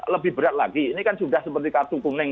lebih berat lagi ini kan sudah seperti kartu kuning